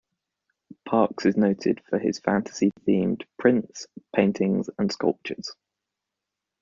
Parkes is noted for his fantasy-themed prints, paintings and sculptures.